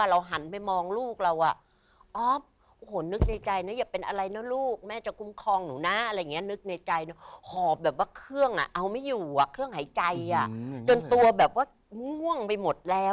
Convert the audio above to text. เหตุการณ์วันนั้นคือแม่ยังไง